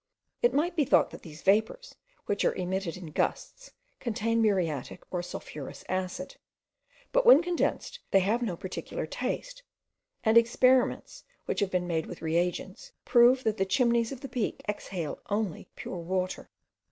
It might be thought that these vapours, which are emitted in gusts, contain muriatic or sulphurous acid; but when condensed, they have no particular taste; and experiments, which have been made with re agents, prove that the chimneys of the peak exhale only pure water.